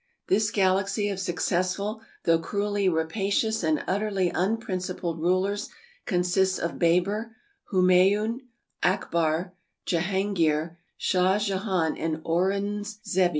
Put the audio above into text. This galaxy of successful though cruelly rapacious and utterly unprincipled rulers consists of Baber, Humayoon, Akbar, Jehangeer, Shah Jehan, and Aurungzebe.